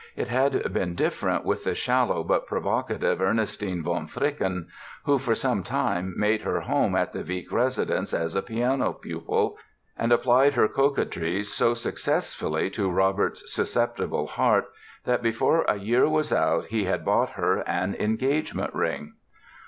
It had been different with the shallow but provocative Ernestine von Fricken, who for some time made her home at the Wieck residence as a piano pupil, and applied her coquetries so successfully to Robert's susceptible heart that before a year was out he had bought her an engagement ring.